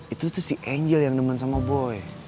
itu tuh si angel yang nemen sama boleh